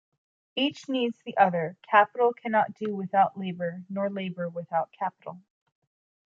Each needs the other: capital cannot do without labor, nor labor without capital.